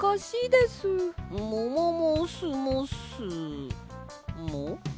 もももすもすも？